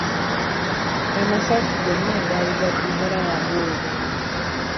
Amasaati gonna agaali gaddugala yagooza.